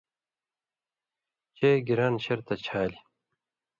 چے گِران شرطہ چھالیۡ،